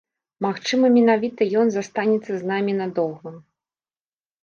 Магчыма, менавіта ён застанецца з намі надоўга.